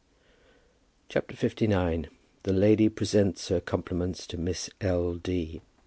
CHAPTER LIX. A LADY PRESENTS HER COMPLIMENTS TO MISS L. D.